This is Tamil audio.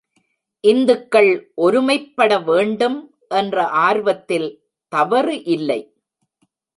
இந்துக்கள் ஒருமைப்பட வேண்டும் என்ற ஆர்வத்தில் தவறு இல்லை.